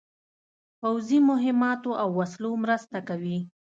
پوځي مهماتو او وسلو مرسته کوي.